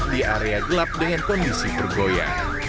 di area gelap dengan kondisi bergoya